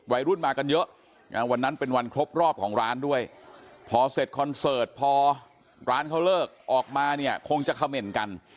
วัยรุ่นมากันเยอะวันนั้นเป็นวันครบรอบของร้านด้วยพอเสร็จคอนเสิร์ตพอร้านเขาเลิกออกมาเนี่ยคงจะเขม่นกัน